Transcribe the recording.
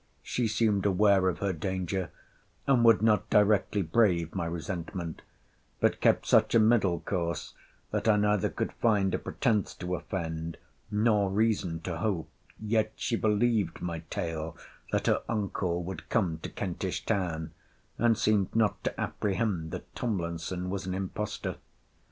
She seemed aware of her danger; and would not directly brave my resentment: but kept such a middle course, that I neither could find a pretence to offend, nor reason to hope: yet she believed my tale, that her uncle would come to Kentish town, and seemed not to apprehend that Tomlinson was an impostor.